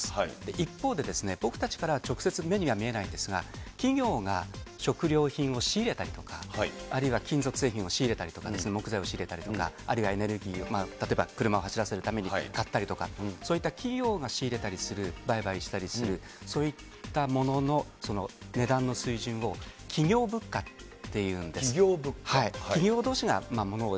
一方で、僕たちから直接目には見えないんですが、企業が食料品を仕入れたりとか、あるいは製品を仕入れたりとか、木材を仕入れたりとか、あるいはエネルギーを、例えば、車を走らせるために買ったりとか、そういった企業が仕入れたりする、売買したりするそういったもののその値段の水準を、企業物価って企業物価？